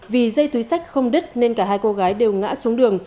vì dây túi sách không đứt nên cả hai cô gái đều ngã xuống đường